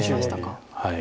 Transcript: はい。